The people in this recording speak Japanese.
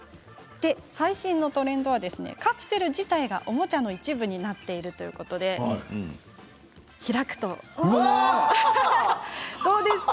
最新のトレンドはカプセル自体がおもちゃの一部になっているということで開くと、どうですか？